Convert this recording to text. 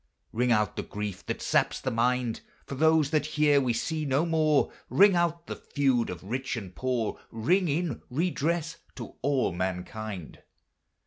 Ring out the grief that saps the mind, For those that here we see no more; Ring out the feud of rich and poor, Ring in redress to all mankind.